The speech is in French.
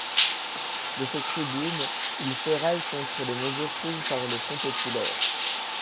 De ces tribunes, il ferraille contre les mesures prises par le Front populaire.